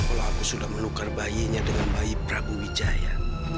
kalau aku sudah menukar bayinya dengan bayi prabu wijaya